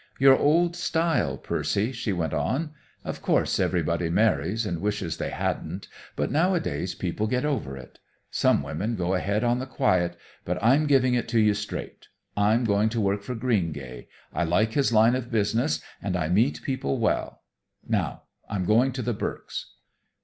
"You're old style, Percy," she went on. "Of course everybody marries and wishes they hadn't, but nowadays people get over it. Some women go ahead on the quiet, but I'm giving it to you straight. I'm going to work for Greengay. I like his line of business, and I meet people well. Now I'm going to the Burks'."